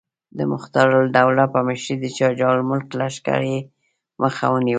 د مختارالدوله په مشرۍ د شجاع الملک لښکر یې مخه ونیوله.